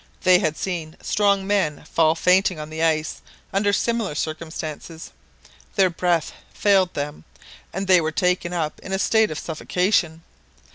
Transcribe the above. They had seen strong men fall fainting on the ice under similar circumstances; their breath failed them, and they were taken up in a state of suffocation.